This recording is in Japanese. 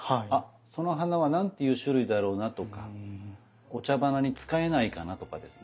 その花は何ていう種類だろうなとかお茶花に使えないかなとかですね